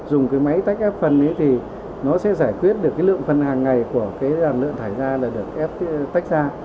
dùng máy tách ép phân thì nó sẽ giải quyết được lượng phân hàng ngày của lượng thải ra là được ép tách ra